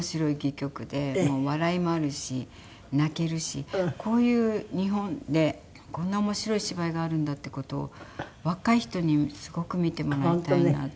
笑いもあるし泣けるしこういう日本でこんな面白い芝居があるんだっていう事を若い人にすごく見てもらいたいなと思います。